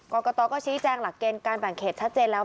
กรกตก็ชี้แจงหลักเกณฑ์การแบ่งเขตชัดเจนแล้ว